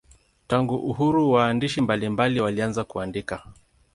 Tangu uhuru waandishi mbalimbali walianza kuandika.